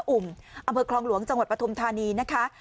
อุ่มอำเภอคลองหลวงจังหวัดปฐุมธานีนะคะ